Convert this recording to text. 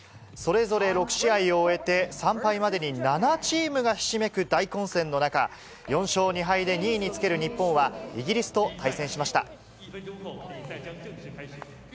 それぞれ６試合を終えて、３敗までに７チームがひしめく大混戦の中、４勝２敗で２位につける日本は、イギリスと対戦しました。